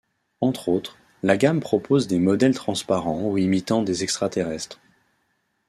Entre autres, la gamme propose des modèles transparents ou imitant des extraterrestres.